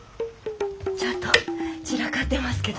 ちょっと散らかってますけど。